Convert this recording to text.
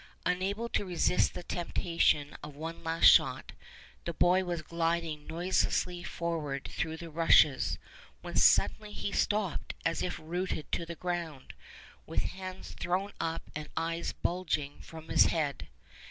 Unable to resist the temptation of one last shot, the boy was gliding noiselessly forward through the rushes, when suddenly he stopped as if rooted to the ground, with hands thrown up and eyes bulging from his head.